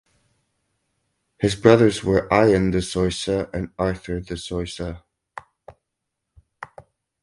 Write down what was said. His brothers were Ian de Zoysa and Arthur de Zoysa.